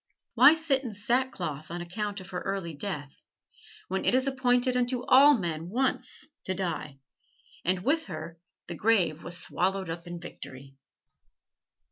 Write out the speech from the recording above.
Why sit in sackcloth on account of her early death, when it is appointed unto all men once to die, and with her the grave was swallowed up in victory?